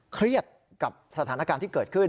เครียดกับสถานการณ์ที่เกิดขึ้น